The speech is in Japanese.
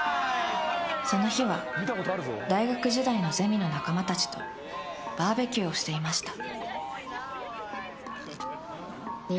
［その日は大学時代のゼミの仲間たちとバーベキューをしていました］